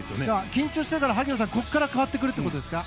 緊張していたのが萩野さん、これから変わってくるということですか。